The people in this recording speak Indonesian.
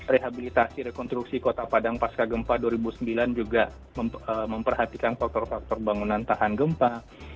rehabilitasi rekonstruksi kota padang pasca gempa dua ribu sembilan juga memperhatikan faktor faktor bangunan tahan gempa